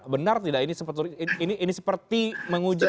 benar tidak ini seperti menguji sabaran bumega